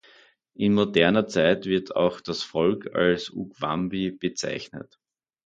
In moderner Zeit wird auch das Volk als "Ukwambi" bezeichnet.